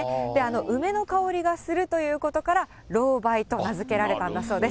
梅の香りがするということから、ロウバイと名付けられたんだそうです。